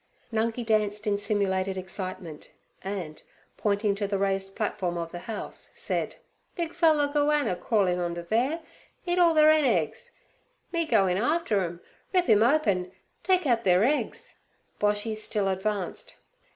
Nungi danced in simulated excitement, and, pointing to the raised platform of the house, said: 'Big feller goanna crawl in onder there, eat all ther 'en eggs, me go in arfter 'im, rip 'im open, take out ther eggs.' Boshy still advanced.